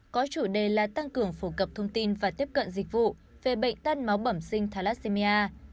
có chủ đề là tăng cường phổ cập thông tin và tiếp cận dịch vụ về bệnh tan máu bẩm sinh thalassemia